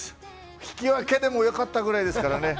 引き分けでもよかったぐらいですからね